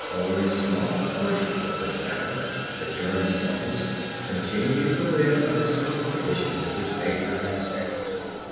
Only small portions of this matter, the germ cells, continue to live under certain conditions which nature has fixed.